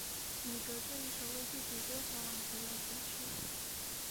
米格这一手为自己多少挽回了损失。